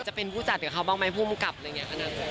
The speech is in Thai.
จะเป็นผู้จัดกับเขาบ้างไหมผู้กำกับอะไรแบบนั้น